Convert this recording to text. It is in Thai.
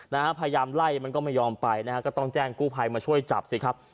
นะฮะพยายามไล่มันก็ไม่ยอมไปนะฮะก็ต้องแจ้งกู้ภัยมาช่วยจับสิครับ